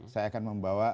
saya akan membawa